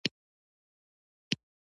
غشې وورېدې.